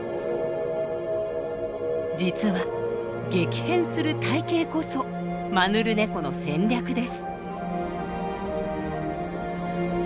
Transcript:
実は激変する体型こそマヌルネコの戦略です。